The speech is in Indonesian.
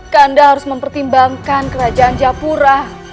kanda harus mempertimbangkan kerajaan japura